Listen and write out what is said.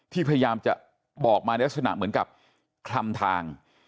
พยายามจะบอกมาในลักษณะเหมือนกับคลำทาง